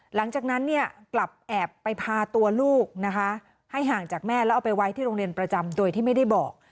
หลังจากนั้นเนี่ยกลับแอบไปพาตัวลูกนะคะให้ห่างจากแม่แล้วเอาไปไว้ที่โรงเรียนประจำโดยที่ไม่ได้บอก